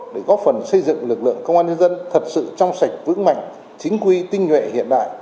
để góp phần xây dựng lực lượng công an nhân dân thật sự trong sạch vững mạnh chính quy tinh nhuệ hiện đại